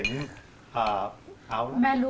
ของคุณยายถ้วน